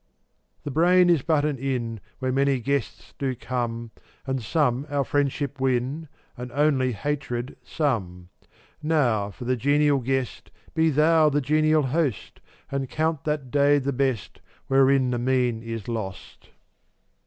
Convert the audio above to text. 432 The brain is but an inn Where many guests do come And some our friendship win And only hatred, some. Now, for the genial guest Be thou the genial host And count that day the best Wherein the mean is lost.